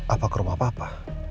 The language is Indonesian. apa ke rumah papa